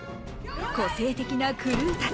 個性的なクルーたち